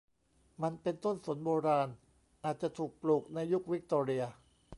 มันเป็นต้นสนโบราณ อาจจะถูกปลูกในยุควิกตอเรีย